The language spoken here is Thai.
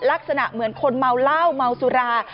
ลักษณะเหมือนคนเมาเหล้าเมาสุรา